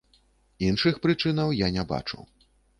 Іншых прычынаў я не бачу.